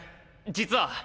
実は。